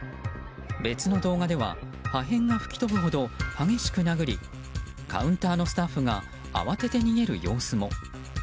別の動画では破片が吹き飛ぶほど激しく殴りカウンターのスタッフが慌てて逃げる様子も。